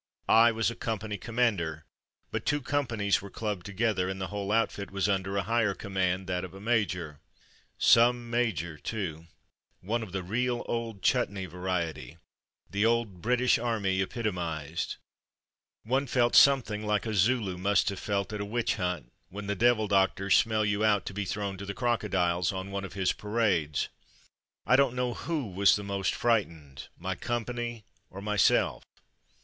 I was a company commander, but two com panies were clubbed together and the whole outfit was under a higher command — that of a major. Some major too! — one of the real old chutney variety; the old British Army 34 From Mud to Mufti epitomized. One felt something like a Zulu must have felt at a witch hunt, when the devil doctors "smell you out'' to be thrown to the crocodiles — on one of his parades. I don't know who was the most frightened, my company or myself.